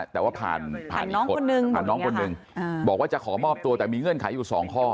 แต่ว่าผ่านผ่านน้องคนหนึ่งบอกว่าจะขอมอบตัวแต่มีเงื่อนไขอยู่สองข้อ